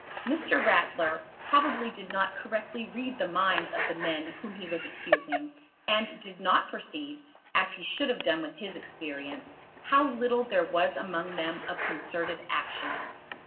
Mr. Ratler probably did not correctly read the minds of the men whom he was accusing, and did not perceive, as he should have done with his experience, how little there was among them of concerted action.